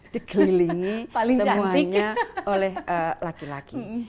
dikelilingi semuanya oleh laki laki